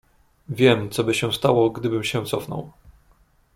"Wiem, coby się stało, gdybym się cofnął."